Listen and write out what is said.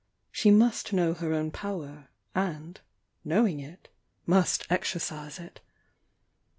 She must know her own power, and, knowing it, must exercise it.